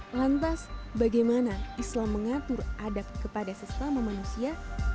lantas bagaimana islam mengatur adab kepada sesama manusia